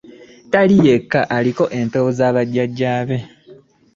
Tali yekka aliko empewo z’abajjajja be.